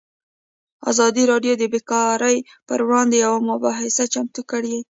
ازادي راډیو د بیکاري پر وړاندې یوه مباحثه چمتو کړې.